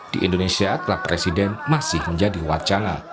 di indonesia klub presiden masih menjadi wacana